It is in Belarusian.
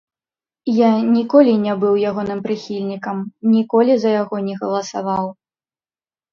Я ніколі не быў ягоным прыхільнікам, ніколі за яго не галасаваў.